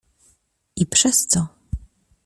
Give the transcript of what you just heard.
"I przez co?"